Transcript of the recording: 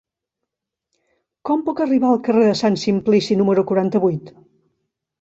Com puc arribar al carrer de Sant Simplici número quaranta-vuit?